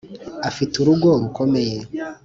afite urugo rukomeye..